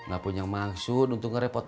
gak punya maksud untuk nge report